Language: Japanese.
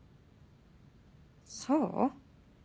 そう？